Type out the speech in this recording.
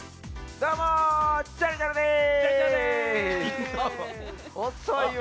どうも、ジャルジャルです。